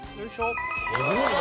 すごいな。